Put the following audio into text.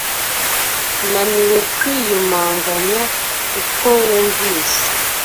naniwe kwiyumanganya kuko wumvise